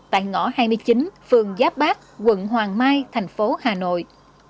tại ngõ hai mươi chín phường giáp bát quận hoàng mai thành phố hà nội